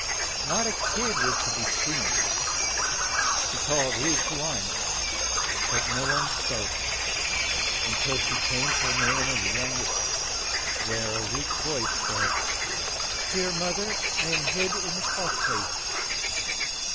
Not a kid was to be seen ; she called each one ; but no one spoke till she came to the name of the young est, when a weak voice said, "Dear moth er, I am hid in the clock case."